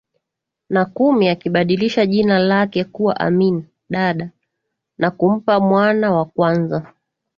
na kumi akibadilisha jina lake kuwa Amin Dada na kumpa mwana wa kwanza